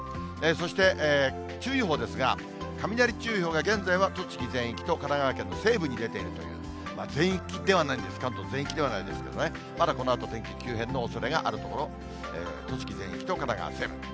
そして注意報ですが、雷注意報が、現在は栃木全域と神奈川県の西部に出ているという、全域ではないですけどね、まだこのあと天気急変のおそれがある所、栃木全域と、神奈川西部。